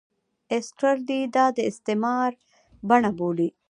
ایسټرلي دا د استثمار بڼه بولي.